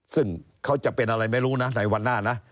ซึ่งเขาจะเป็นอะไรไม่รู้นะในวันหน้านะ